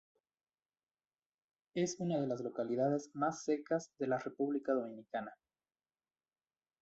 Es una de las localidades más secas de la República Dominicana.